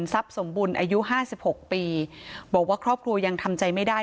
สมบูรณ์อายุห้าสิบหกปีบอกว่าครอบครัวยังทำใจไม่ได้